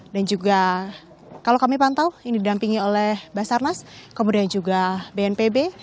dan juga kalau kami pantau ini didampingi oleh basarnas kemudian juga bnpb